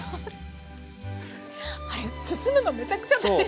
あれ包むのめちゃくちゃ大変なのに。